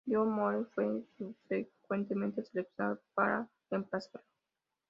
John Moore fue subsecuentemente seleccionado para reemplazarlo.